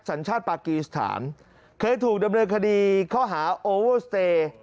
สัญชาติปากีสถานเคยถูกดำเนินคดีข้อหาโอเวอร์สเตย์